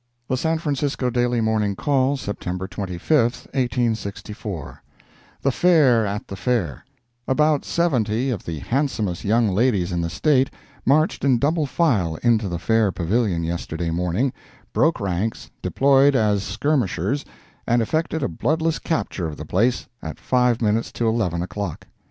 The San Francisco Daily Morning Call, September 25, 1864 THE FAIR AT THE FAIR About seventy of the handsomest young ladies in the State marched in double file into the Fair Pavilion yesterday morning, broke ranks, deployed as skirmishers, and effected a bloodless capture of the place, at five minutes to eleven o'clock.